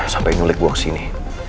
sampai ngulik gue ke sini